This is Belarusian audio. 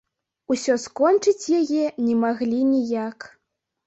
Усё скончыць яе не маглі ніяк.